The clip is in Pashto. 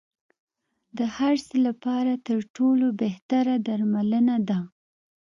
د هر څه لپاره تر ټولو بهتره درملنه ده.